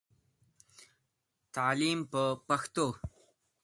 تعليم په پښتو.